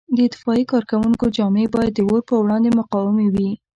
د اطفایې کارکوونکو جامې باید د اور په وړاندې مقاومې وي.